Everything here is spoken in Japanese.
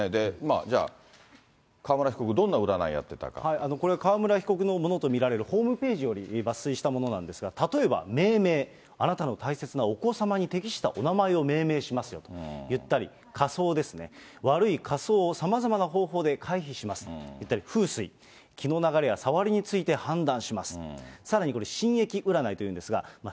じゃあ、川村被告、これ、川村被告のものと見られるホームページより抜粋したものなんですが、例えば命名、あなたの大切なお子さまに適したお名前を命名しますよと言ったり、家相ですね、悪い家相をさまざまな方法で回避しますといったり、風水、気の流れやさわりについて判断します。